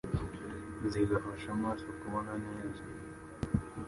zigafasha amaso kubona neza